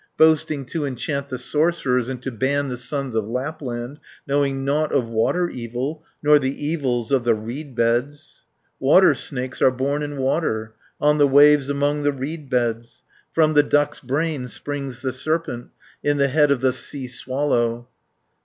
Boasting to enchant the sorcerers, And to ban the sons of Lapland, Knowing nought of water evil, Nor the evils of the reed beds! 590 "Water snakes are born in water, On the waves among the reed beds, From the duck's brain springs the serpent, In the head of the sea swallow.